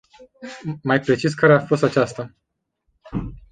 Mai precis, care a fost aceasta?